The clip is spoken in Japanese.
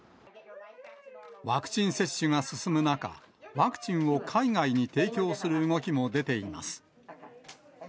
ワクチン接種が進む中、ワクチンを海外に提供する動きも出ています。